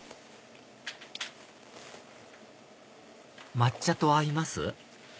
抹茶と合います？